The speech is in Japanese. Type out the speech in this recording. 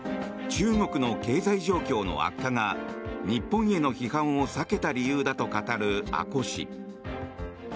中国の経済状況の悪化が日本への批判を避けた理由だと語る阿古氏。